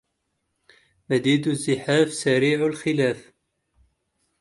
مديد الزحاف سريع الخلاف